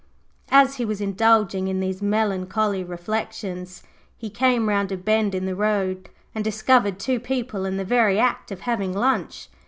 As he was indulging in these melancholy reflexions he came round a bend in the road, and discovered two people in the very act of having lunch.